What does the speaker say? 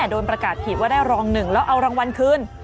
โดนประกาศผิดว่าได้รองหนึ่งแล้วเอารางวัลคืน